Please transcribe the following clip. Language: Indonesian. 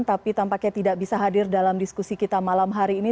tapi tampaknya tidak bisa hadir dalam diskusi kita malam hari ini